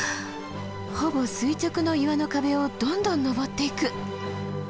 ほぼ垂直の岩の壁をどんどん登っていく。